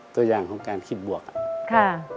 ตัวอย่างของการคิดบวกอะ